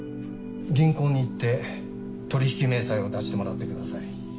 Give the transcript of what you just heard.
銀行に行って取引明細を出してもらってください。